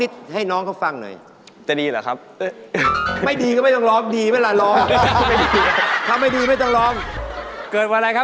ชอบมากชอบ